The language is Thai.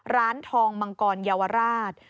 ร้านทองมังกรเยาวราช